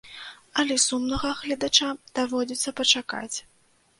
Але сумнага гледачам даводзіцца пачакаць.